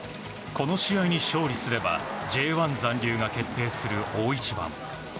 この試合に勝利すればＪ１残留が決定する大一番。